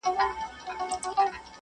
کوچیان د خپل هویت ساتلو هڅه کوي.